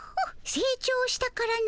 せい長したからの。